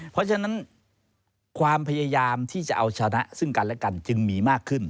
เพราะฉะนั้นความพยายามที่จะเอาชนะซึ่งกันและกันจึงมีมากขึ้น